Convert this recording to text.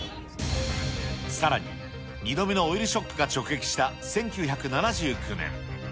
さらに２度目のオイルショックが直撃した１９７９年。